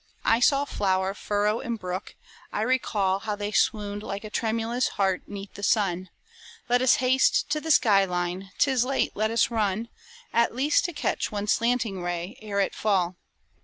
I saw flower, furrow, and brook.... I recall How they swooned like a tremulous heart 'neath the sun, Let us haste to the sky line, 'tis late, let us run, At least to catch one slanting ray ere it fall.